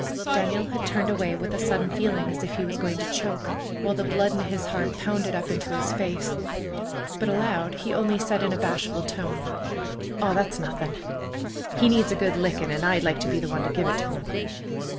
Daniel had turned away with a sudden feeling as if he was going to choke, while the blood in his heart pounded up into his face. But aloud he only said in a bashful tone: "Aw, that's nothin'. He needs a good lickin', an' I'd like to be the one to give it to him."